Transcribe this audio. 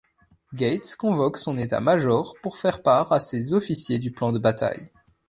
Gates convoque son état-major pour faire part à ses officiers du plan de bataille.